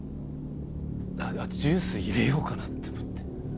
あジュース入れようかなって思って。